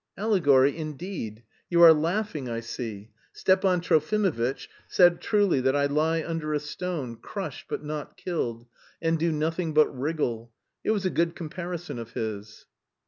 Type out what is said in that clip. "Allegory, indeed! You are laughing, I see.... Stepan Trofimovitch said truly that I lie under a stone, crushed but not killed, and do nothing but wriggle. It was a good comparison of his."